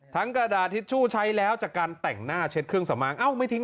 ทั้งกระดาษทิชชู่ใช้แล้วจากการแต่งหน้าเช็ดเครื่องสำมาง